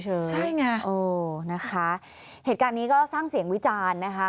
ใช่ไงโอ้นะคะเหตุการณ์นี้ก็สร้างเสียงวิจารณ์นะคะ